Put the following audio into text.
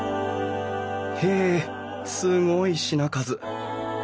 へえすごい品数！